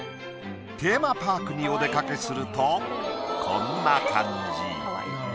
テーマパークにお出かけするとこんな感じ。